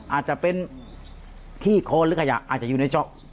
อาจจะเป็นที่โค้นหรือขยะอาจจะอยู่ในช็อกอืม